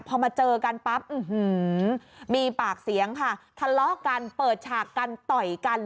พอมาเจอกันปั๊บมีปากเสียงค่ะทะเลาะกันเปิดฉากกันต่อยกัน